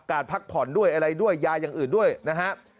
พักผ่อนด้วยอะไรด้วยยาอย่างอื่นด้วยนะครับ